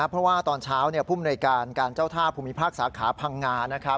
เพราะว่าตอนเช้าภูมิหน่วยการการเจ้าท่าภูมิภาคสาขาพังงา